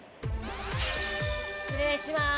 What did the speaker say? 失礼します！